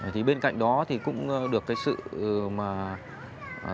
thì bên cạnh đó cũng được sự thông báo